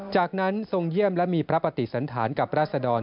จากนั้นทรงเยี่ยมและมีพระปฏิสันธารกับราษดร